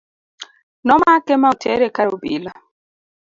nomake ma otere kar obila